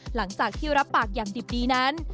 หลังจากที่รับปากอย่างดิบดีนั้น